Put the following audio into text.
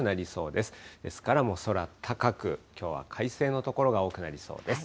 ですからもう空高く、きょうは快晴の所が多くなりそうです。